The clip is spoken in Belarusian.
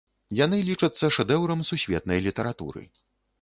Яны лічацца шэдэўрам сусветнай літаратуры.